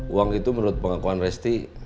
uang itu menurut pengakuan resti